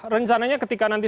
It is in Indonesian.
rencananya ketika nanti